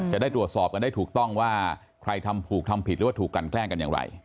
จะได้ตรวจสอบกันได้ถูกต้องว่าใครทำถูกทำผิดหรือว่าถูกกันแกล้งกันอย่างไร